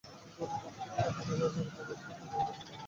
গৌরের নাম শুনিয়াই হারানবাবুর মনের ভিতরটা একেবারে বিমুখ হইয়া উঠিল।